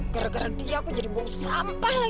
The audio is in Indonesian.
gara gara dia aku jadi bau sampah lagi